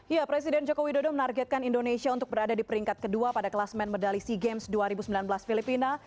ya presiden joko widodo menargetkan indonesia untuk berada di peringkat kedua pada kelasmen medali sea games dua ribu sembilan belas filipina